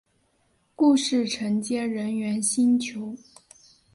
故事承接人猿星球。